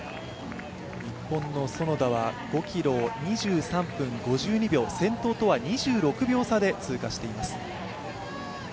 日本の園田は５ｋｍを２分３分５２秒、先頭とは２６秒差で通過しています。